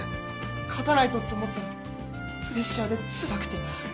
「勝たないと」と思ったらプレッシャーでつらくて。